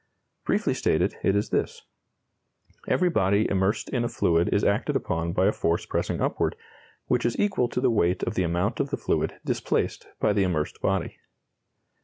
Briefly stated, it is this: Every body immersed in a fluid is acted upon by a force pressing upward, which is equal to the weight of the amount of the fluid displaced by the immersed body.